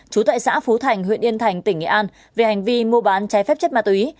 trú tại xã phú thành huyện yên thành tỉnh nghệ an về hành vi mua bán trái phép chất ma túy